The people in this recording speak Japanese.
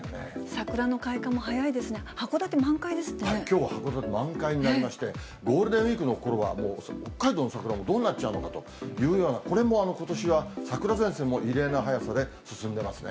桜の開花も早いですが、きょう、函館満開になりまして、ゴールデンウィークのころにはもう北海道の桜もどうなっちゃうのかというような、これもことしは桜前線も異例の早さで進んでますね。